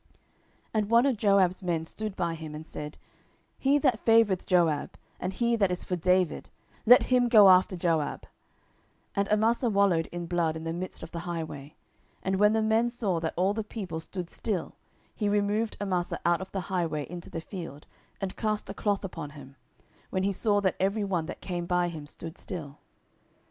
10:020:011 And one of Joab's men stood by him, and said, He that favoureth Joab, and he that is for David, let him go after Joab. 10:020:012 And Amasa wallowed in blood in the midst of the highway. And when the man saw that all the people stood still, he removed Amasa out of the highway into the field, and cast a cloth upon him, when he saw that every one that came by him stood still.